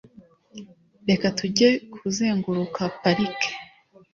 Reka tujye kuzenguruka parike.